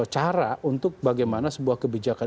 cara untuk bagaimana sebuah kebijakan